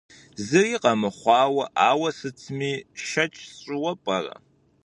Зыри къэмыхъуауэ ауэ сытми шэч сщӏыуэ пӏэрэ?